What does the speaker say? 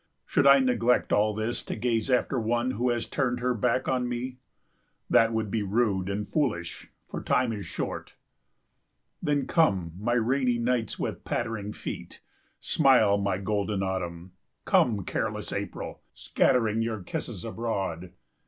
Should I neglect all this to gaze after one who has turned her back on me? That would be rude and foolish, for time is short. Then, come, my rainy nights with pattering feet; smile, my golden autumn; come, careless April, scattering your kisses abroad.